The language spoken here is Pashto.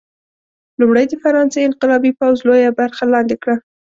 لومړی د فرانسې انقلابي پوځ لویه برخه لاندې کړه.